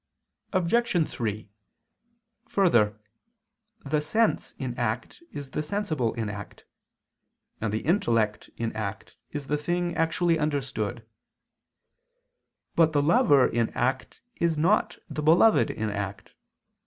Obj. 3: Further, the sense in act is the sensible in act, and the intellect in act is the thing actually understood. But the lover in act is not the beloved in act.